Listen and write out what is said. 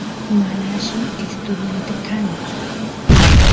mana alli estudiante kani